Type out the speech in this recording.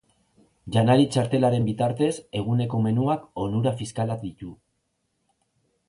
Janari-txartelaren bitartez, eguneko menuak onura fiskalak ditu.